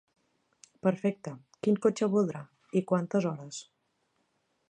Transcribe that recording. Perfecte, quin cotxe voldrà i quantes hores?